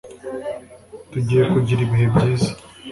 Tugiye kugira ibihe byiza.